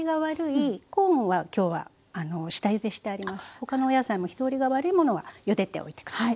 他のお野菜も火通りが悪いものはゆでておいて下さい。